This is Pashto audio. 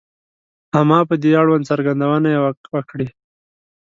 • اما په دې اړوند څرګندونې یې وکړې.